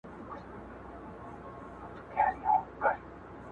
ډياسپورا هايبريډيټي هويت دی